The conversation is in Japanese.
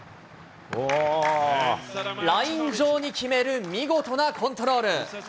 ライン上に決める見事なコントロール。